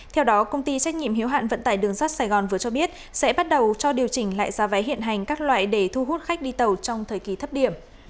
theo đó công ty trách nhiệm hiếu hạn vận tải đường sắt sài gòn vừa cho biết sẽ bắt đầu cho điều chỉnh lại giá vé hiện hành các loại để thu hút khách đi tàu trong thời kỳ thấp điểm